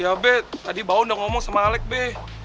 iya be tadi baun udah ngomong sama alex be